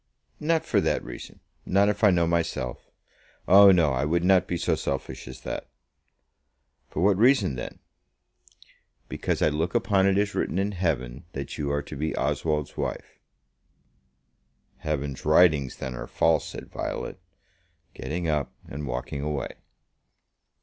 "Not for that reason, not if I know myself. Oh no! I would not be so selfish as that." "For what reason then?" "Because I look upon it as written in heaven that you are to be Oswald's wife." "Heaven's writings then are false," said Violet, getting up and walking away.